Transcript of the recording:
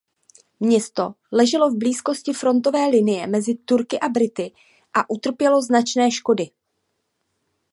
Město leželo v blízkosti frontové linie mezi Turky a Brity a utrpělo značné škody.